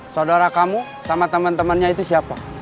saudara kamu sama temen temennya itu siapa